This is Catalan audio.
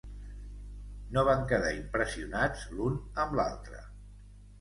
No van quedar impressionats l'un amb l'altre.